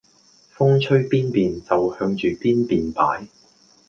風吹邊便就向住邊便擺